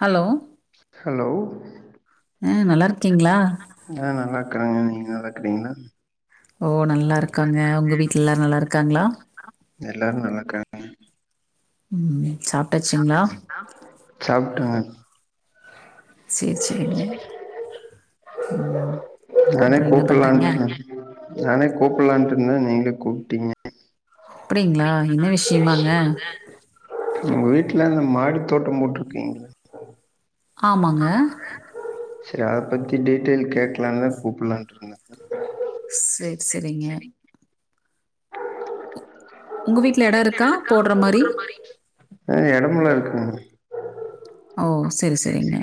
Hello hello ஆ நல்லா இருக்கீங்களா ஆ நல்லா இருக்கிறாங்க நீங்க நல்லா இருக்கிறீங்களா ஓ நல்லா இருக்காங்க உங்க வீட்ல எல்லாரு நல்லா இருக்காங்களா எல்லாரு நல்லா இருக்காங்க ம் சாப்ட்டாச்சுங்ளா ஆ சாப்புட்டங்க சேரி சேரிங்க நானே கூப்பிடலான்ட்டு நானே கூப்பிடலான்ட்டு இருந்தே நீங்களே கூப்பிட்டீங்க அப்டிங்களாங்க என்ன விஷயமாங்க உங்க வீட்ல இந்த மாடி தோட்டம் போட்டிருக்கீங்கள ஆமாங்க சரி அத பத்தி டீட்டெயில் கேட்கலாம்னு தா கூப்பிடலான்றங்க சேரி சேரிங்க உங்க வீட்ல்ல எடோ இருக்கா போடுற மாதிரி ம் எடமெல்லா இருக்குங்க ஓ செரி செரிங்க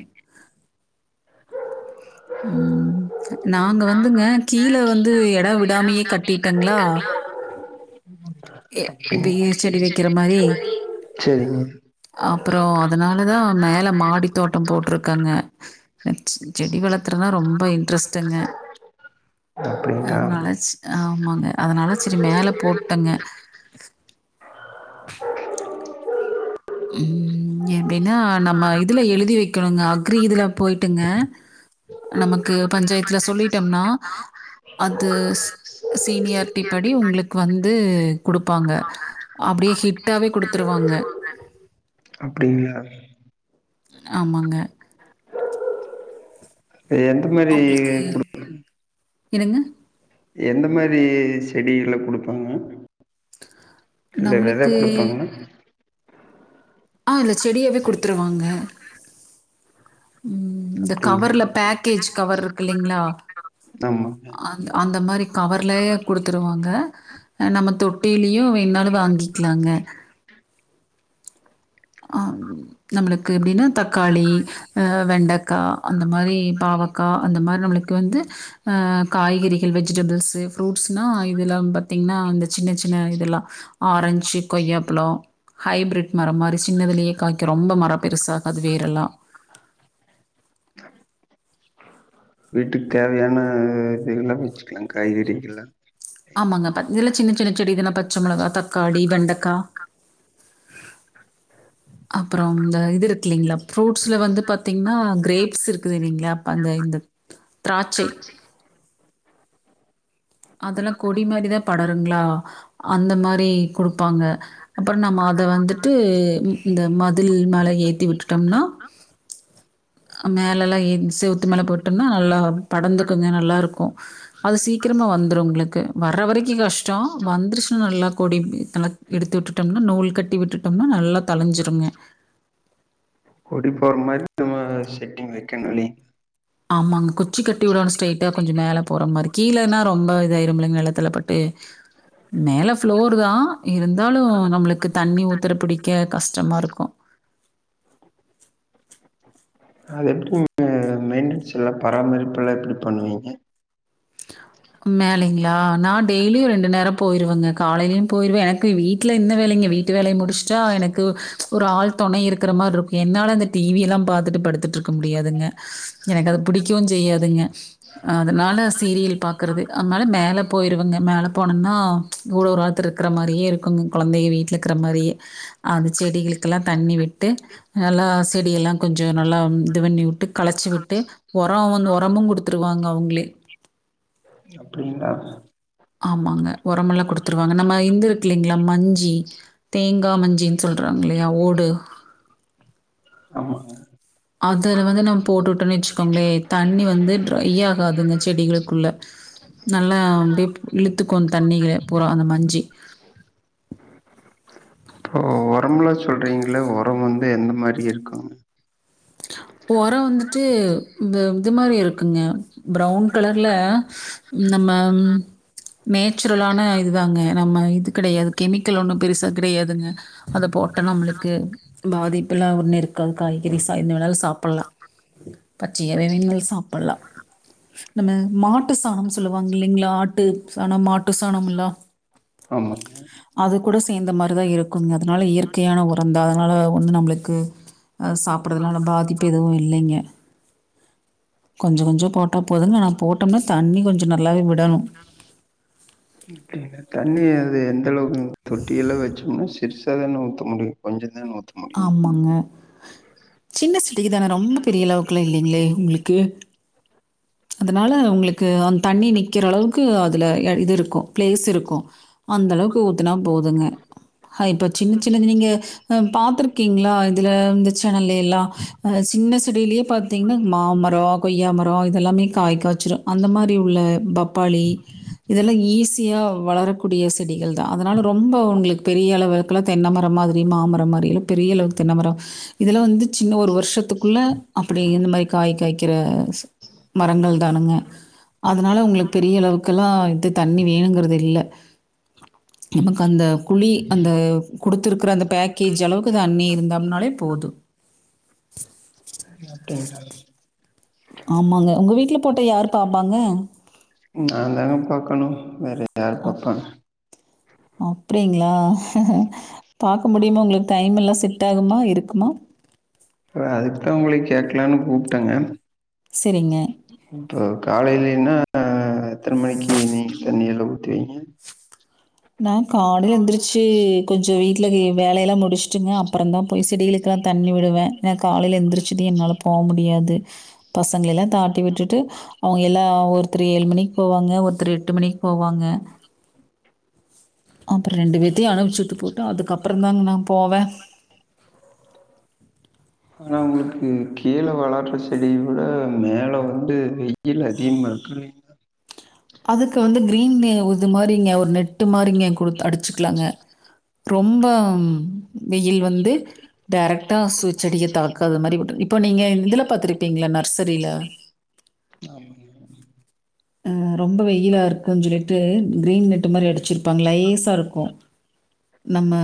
ம் நாங்கள் நாங்க வந்துங்க வந்து மே கீழே கீழ வந்து இடம் எட விடாமையே விடாமே கட்டிட்டங்களா கட்டிடோங்கலா எ பிஹச்டி வைக்கிற மாரி சரிங்க அப்புறோ அதனால தா மேல மாடி தோட்டோ போட்டருக்கங்க செடி வளர்த்துறனா ரொம்ப இன்ட்ரெஸ்ட்டுங்க அப்டிங்களா அதனாலச் ஆமாங்க அதனால செரி மேல போட்டங்க ம் எப்டின்னா நம்ம இதுல எழுதி வைக்குணுங்க அக்ரி இதுல போய்ட்டுங்க நமக் கு பஞ்சாயத்துல சொல்லிட்டோம்னா அது சீனியாரிட்டி படி உங்ளுக் வந்து குடுப்பாங்க அப்டியே ஹிட்டாவே குடுத்துருவாங்க அப்டிங்ளா ஆமாங்க எந்த மேரி உங்களுக்கு என்னங்க எந்த மாரி செடிகள குடுப்பாங்க இல்ல வெத நம்மளுக்கு குடுப்பாங்ளா ஆ இல்ல செடியாவே குடுத்துருவாங்க இந்த அப்டிங்களா கவர்ல பேக்கேஜ் கவர் இருக்கு இல்லிங்ளா ஆமாங்க அந்த அந்த மாரி கவர்லயே குடுத்துருவாங்க நம்ம தொட்டிலயு வேணுனாலு வாங்கிக்கிலாங்க ஆ நம்மளுக்கு எப்டின்னா தக்காளி ஆ வெண்டக்கா அந்த மாரி பாவக்கா அந்த மார் நம்மளுக்கு வந்து ஆ காய்கறிகள் வெஜிடபிள்ஸ் ஃப்ரூட்ஸ்ன்னா இதெல்லா பாத்தீங்ன்னா இந்த சின்ன சின்ன இதுலா ஆரஞ்சு கொய்யாப்பழோ ஹைபிரிட் மரோ மாரி சின்னதுலியே காய்க்கு ரொம்ப மரோ பெருசா செம்பருத்தி [unintelligible] வீட்டுக்கு தேவையான இதுகள்ல்லா வச்சுக்கலா காய்கறிகள்லா ஆமாங்க இதெல்லா சின்ன சின்ன செடி தான பச்ச மிளகா தக்காளி வெண்டக்கா அப்றோம் இந்த இது இருக்லிங்ளா ஃப்ரூட்ஸ்ல வந்து பாத்தீங்கன்னா கிரேப்ஸ் இருக்குது இல்லிங்ளா அப்போ அந்த இந்த திராட்சை அதெல்லா கொடி மாரிதா படருங்ளா அந்த மாரி குடுப்பாங்க அப்றோ நம்ம அத வந்துட்டு இந்த மதில் மேல ஏத்தி விட்டுட்டோம்னா மேலல்லா செவுத்து மேல போட்டோம்னா நல்லா படந்துக்கங்க நல்லாருக்கு அது சீக்கிரமா வந்துரு உங்களுக்கு வர்ற வரைக்கு கஷ்டோ வந்துருச்சுன்னா நல்லா கொடி நல்ல எடுத்து விட்டுட்டோம்னா நூல் கட்டிவிட்டுட்டோம்னா நல்ல தலைஞ்சிருங்க கொடி போற மாரி நம்ம செட்டிங் வைக்குணுலி ஆமாங்க குச்சி கட்டி விடனு ஸ்ட்ரைட்டா கொஞ்சோ மேல போற மாரி கீழனா ரொம்ப இதா ஆயிரு நெலத்துல பட்டு மேலே ஃப்ளோர் தா இருந்தாலு நம்மளுக்கு தண்ணி ஊத்த பிடிக்க கஷ்டமா இருக்கு அது எப்டிங்க மெயின்டென்ஸ் எல்லா பராமரிப்புல்லா எப்டி பண்ணுவீங்க மேலிங்ளா நா டெய்லியு ரெண்டு நேரோ போயிருவங்க காலையிலு போயிருவ எனக் கு வீட்ல என்ன வேலைங்க வீட்டு வேலைய முடிச்சுட்டா எனக்கு ஒரு ஆள் தொணை இருக்கிற மார் இருக் என்னால இந்த டி வி எல்லா பாத்துட்டு படுத்துட்டு இருக்க முடியாதுங்க எனக்கு அது பிடிக்கவு செய்யாதுங்க [unintelligible] அதனால சீரியல் பாக்கறது அ மேல போயிருவங்க மேல போனுன்னா இவ்ளோறாத்துரு இருக்குற மாரியே இருக்குங்க கொழந்தைங்க வீட்ல இருக்குற மாரியே அது செடிகளுக்கெல்லா தண்ணி விட்டு நல்லா செடிய எல்லா கொஞ்சோ நல்லா இது பண்ணி வுட்டு களைச்சி விட்டு ஒரா வந்து ஒரமு குடுத்துருவாங்க அவுங்ளே அப்டிங்ளா ஆமாங்க ஒரோமெல்லா குடுத்துருவாங்க நம்ம இந்து இருக்குல்லிங்ளா மஞ்சி தேங்கா மஞ்சின்னு சொல்றாங்கில்லையா ஓடு ஆமாக அதுல வந்து நம்ம போட்டு விட்டோம்ன்னு வச்சுக்கோங்களே தண்ணி வந்து ட்ரை ஆகாதுங்க செடிகளுக்குள்ள நல்லா அப்டியே இழுத்துக்கு தண்ணில பூரா அந்த மஞ்சி இவ்ளோ சொல்றீங்ள மாரி இருக்காங்க உறோ வந்துட்டு இந்த இது மாரி இருக்குங்க ப்ரௌன் கலர்ல நம்ம ம் நேச்சுரலான இதுதாங்க நம்ம இது கெடையாது கெமிக்கல் ஒன்னு பெருசா கிடையாது அத போட்ட நம்மளுக்கு பாதிப்புல்லா ஒண்ணு இருக்காது காய்கறிஸ்க் தா என்ன வேணாலு சாப்புள்ளா பச்சையா [unintelligible] சாப்புள்ளா நம்ம மாட்டு சாணம் சொல்லுவாங்க இல்லைங்ளா ஆட்டு சாணம் மாட்டு சாணம் எல்லா ஆமாக அது கூட சேந்த மார்தா இருக்குங்க அதுனால இயற்கையான உரந்தா அதுனால ஒண்ணு நம்ளுக்கு அ சாப்புட்றதுனால பாதிப்பு எதுவு இல்லைங்க கொஞ்சோ கொஞ்சோ போட்டா போதுங்க ஆனா போட்டோம்னா தண்ணி கொஞ்சம் நல்லாவே விடணும் அப்டிங்களா தண்ணி அது எந்த அளவுக்கு தொட்டியெல்லா வச்சோம்னா சிறிசா தானே ஊத்த முடியு கொஞ்சோ தானே ஊத்த முடியு ஆமாங்க சின்ன சிட்டிக்கு தானே ரொம்ப பெரிய அளவுக்லா இல்லைங்களே உங்களுக்கு அதுனால உங்களுக்கு அந்த தண்ணி நிக்கிற அளவுக்கு அதில இது இருக்கு பிளேஸ் இருக்கு அந்த அளவுக்கு ஊத்துனா போதுங்க அ இப்போ சின்ன சின்ன நீங்க ஆ பாத்துருக்கீங்ளா இதில இந்த சேனல்ல எல்லா அ சின்ன செடியிலேயே பாத்தீங்ன்னா மா மரோ கொய்யா மரோ இதெல்லாமே காய் காய்ச்சிடு அந்த மாதிரி உள்ள பப்பாளி இதெல்லா ஈஸியா வளரக்கூடிய செடிகள் தா அதுனால ரொம்ப உங்களுக்கு பெரிய அளவுக் கெல்லா தென்னமரம் மாதிரி மாமரம் மாரி பெரிய அளவுக்கு தென்னமரோ இதுலா வந்து சின்ன ஒரு வருஷத்துக்குள்ள அப்டி இந்த மாரி காய் காய்க்கிற மரங்கள் தானுங்க அதுனால உங்களுக்கு பெரிய அளவுக்கெல்லா இது தண்ணி வேணுங்கிறது இல்ல நமக்கு அந்த குழி அந்த கொடுத்துருக்குற அந்த பேக்கேஜ் அளவுக்கு தண்ணி இருந்தம்னாலே போது ஓகே ஆமாங்க உங்க வீட்டில போட்ட யார் பாப்பாங்க நா தாங்க பாக்கணு வேற யாரு பாப்பாங்க அப்டிங்களா பாக்க முடியுமா உங்களுக்கு டைம் எல்லா செட் ஆகுமா இருக்குமா அதுக்தா உங்களைய கேக்லானு கூப்ட்டெங்க செரிங்க ஓ காலையிலன்னா எத்தன மணிக்கு நீ தண்ணியல்லா ஊத்து விங்க நா காலைல எந்திரிச்சு கொஞ்சோ வீட்ல இகிற வேலையெல்லா முடிச்சுட்டுங்க அப்பரோ தா போய் செடிகல க்கெல்லா தண்ணி விடுவே ஏன்னா காலையில எந்திரச்சிட்டு என்னால போக முடியாது பசங்களெல்லா தாட்டி விட்டுட்டு அவுங்கல்லா ஒருத்தர் ஏழு மணிக்கு போவாங்க ஒருத்தர் எட்டு மணிக்கு போவாங்க அப்புரோ ரெண்டு பேத்தயு அனுப்ச்சு விட்டு போட்டு அதுக்கப்ரோ தாங் நா போவே ஆனா உங்களுக்கு கீரை வள பாட்டு செடி குடன்னு மேல வந்து மிய் இல்ல டீம் மக்குளே அதுக்கு வந்து க்ரீன் மே வுது மாரிங்க ஒரு நெட்டு மாரிங்க குடுத் அடிச்சுக்லாங்க ரொம்பம் வெயில் வந்து டைரக்டா சு செடிய தாக்காத மாரி விடுங் இப்பு நீங்கே இன் இதுல பாத்துருப்பீங்ள நர்சரில ஆமாங்கன் ரொம்ப வெயிலா இருக்கு ஜொல்லிட்டு க்ரீன் நெட்டு மாரி அடிச்சிருப்பாங் லைஸா ருக்கு நம்ம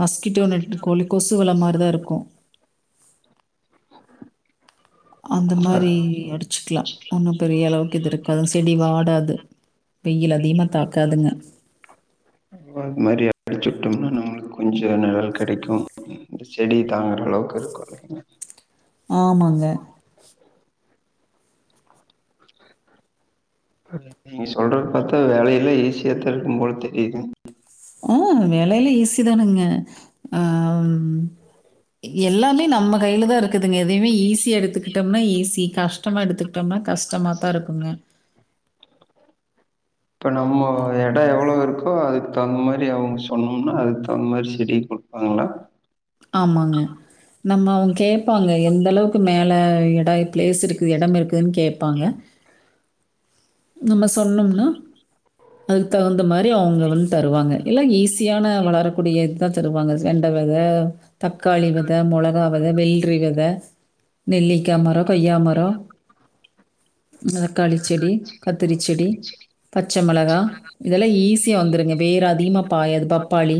மஸ்கிட்டோ நெட்டு கோழி கொசு வல மாரி தா ருக்கு அந்த ஆமாங்க. மாரி அடிச்சுக்லா ஒன்னு பெரிய அளவ்க் இது இருக்காது செடி வாடாது வெயில் அதீமா தாக்காதுங்க மரியா அடிச்சுட்டோம்னா நாள் கொஞ்சோ நெ அள் கிடைக்கு ம் இந்த செடி தாங்குற அளவ்க் இருக்கு இல்லிங்க ஆமாங்க நீங்க சொல்ற பாத்தா வேலையெல்லா ஈசியாத்தா இருக்கும்போல் தெரிய்து ஆ வேலைய்ல ஈஸி தானுங்க ஆம் எல்லாமே நம்ம கைய்ல தா இருக்குதுங்க எதையுமே ஈஸி எடுத்துக்கிட்டோம்னா ஈஸி கஷ் ட்டமா எடுத்துக்ட்டோம்னா கஷ்டமாத்தா இருக்குங்க ப்ப நம்மோ ஓ அ எடோ எவ்ளோ இருக்கோ அதுக் தகுந் மாரி அவ்வும் சொன்னோம்னா அதுக் தகுந்த மாரி செடி குட்பாங்லா ஆமாங்க நம்ம அவ்ங் கேப்பாங்க எந்தளவ்க்கு மேல எடா ப்ளேஸ் இருக்குதும இடம் இருக்குதுன்னு கேட்பாங்க நம்ம சொன்னும்னா அதுக் தகுந்த மாரி அவ்ங்க வந் தருவாங்க இல்லா ஈஸியான வளரக்கூடியத் த்த தருவாங்க ஜ் வெண்ட வெத தக்காளி வெத மொளகா வெத வெய்ள்ரி வெத நெல்லிக்கா மரோ கொய்யா மரோ முனதக்காளி ச்செடி கத்திரி ச்செடி பச்ச மெளகா இதெல்லா ஈஸியா வந்துருங்க வேற் அதிக்மா பாயாது பப்பாளி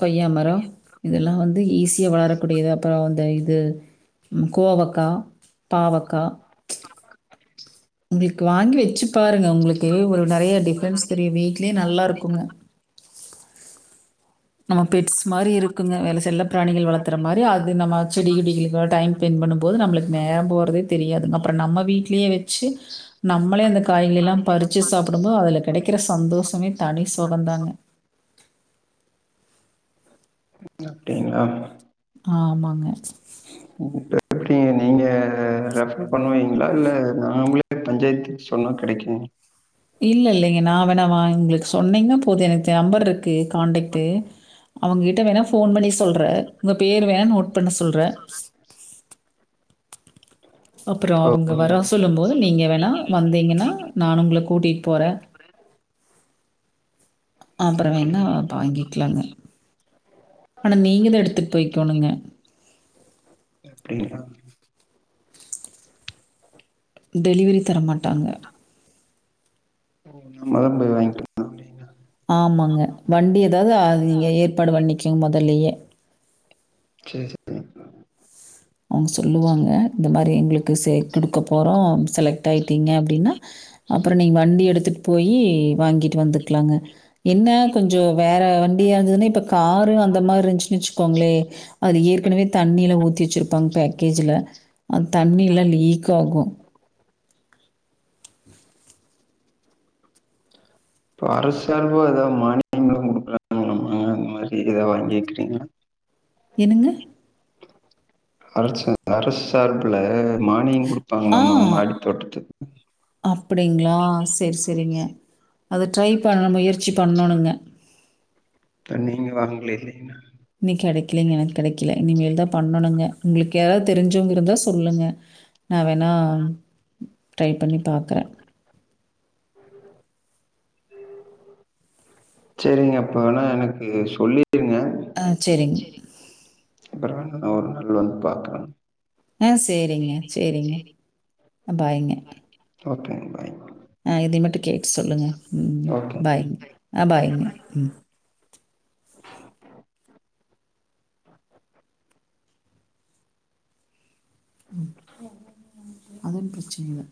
கொய்யா மர் றோ இதெல்லா வந்து ஈஸியா வளரக்கூடியது அப்பறோ இந்த இது ம் கோவக்கா பாவக்கா இங்கிள்க்கு வாங்கி வெச்சி பாருங்க உங்ளுக்கே ஒரு நறையா டிஃப்ரென்ஸ் தெரியு வீட்லே நல்லாருக்குங்க நம்ம பெட்ஸ் மாரி இருக்குங்க வேல செல்ல ப்ராணிகள் வளத்துற மாரி அது நம்ம செடிகிடிகிளுக்கா டைம் பிண் பண்ணும் போது நம்ளுக் நேரம் போறதே தெரியாது அப்ற நம்ம வீட்லியே வெச்சு நம்மளே அந்த காய்கெல்லா பறிச்சி சாப்புடும்போ அதுல கெடைக்கிற சந்தோஷமே தனி சொகோந்தாங்க ஹு நா ப்டிங்ளா ஆ ஆமாங்க எப்டிங்க நீங்க ரெஃபர் பண்ணுவீங்ளா இல்ல நாம்ளே ஏ கே சொன்னா கெடைக்கு இல்ல இல்லங்க நா வேணா வாங்ளு சொன்னீங்னா போது எனக் தேம்பர் ருக்கு கான்டக்ட்டு அவங் கிட்ட வேணா ஃபோன் பண்ணி சொல்ற உங்க பேரு வேண் நோட் பண்ண சொல்ற அப்புறோ இப்போ அவங்க வரா சொல்லும் போது நீங்கெ வேணா வந்தீங்கன்னா நான் உங்ள கூட்டிட் போற அப்பற வேன்னா அப்டியா அப் வாங்கிக்லாங்க ஆனா நீங்கதா எடுத்துட் போய்க்கோணுங்க அப்டிங்ளா டெலிவரி தர மாட்டாங்க நம்மதா போய் வாய்க்கனுமா ஆமாங்க வண்டி ஏதாது நீங்க ஏற்பாடு பண்ணிக்கங்க மொதல்லையே சரி சரி. அவுங்க சொல்லுவாங்க இந்த மாதிரி எங்களுக்கு செ கொடுக்க போறோ செலக்ட் ஆய்ட்டீங்க அப்டின்னா அப்றோ நீங்க வண்டி எடுத்துட்டு போய்யி வாங்கிட் வந்துக்லாங்க என்ன கொஞ்சோ வேற வண்டியா இருந்துதுன்னே இப்போ காரு அந்த மாரி இருந்துச்சுனு வச்சுக்கோங்ளே அது ஏற்கனவே தண்ணி எல்லா ஊத்தி வச்சிருப்பாங்க பேக்கேஜ்ல அந் தண்ணி எல்லா லீக் ஆகு அப்போ அரசு சார்பா எதாது மானியோ ங்ளு குடுக்கலா வாங்கிக்றீங்ளா என்னங்க அரசு அரசு சார்புல மானியோ குடுப்பாங்கலாமா மாடி தோட்டத்துக்கு அப்டிங்களா சேர் சேரிங்க அத ட்ரை பண்ண முயற்சி பண்ணணுங்க இப்ப நீங்க வாங்லியே இன்னு கெடைக்கலங்க எனக்கு கெடைக்ல இனிமேதா பண்ணணுங்க உங்ளுக்கு யாராவது தெரிஞ்சவுங்க இருந்தா சொல்லுங்க நா வேணா ட்ரை பண்ணி பாக்குறே சேரிங்க அப்பனா எனக்கு சொல்லி ஆ சேரிங்க அப்றோ என்னங்க ஒருநாள் வந்து பாக்குறே ஆ சரிங்க, சரிங்க. அ பாய்ங்க. ஓகே ஆ இதே மட்டு கேட்டு சொல்லுங்க ம் ஓகே. பாய்ங்க அ பை. பாய்ங்க ம் ம் அது ஒன்னு பிரச்சன இல்ல